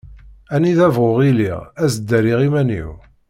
Anida bɣuɣ iliɣ ad sdariɣ iman-iw.